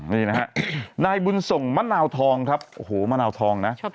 นี่นะฮะนายบุญส่งมะนาวทองครับโอ้โหมะนาวทองนะ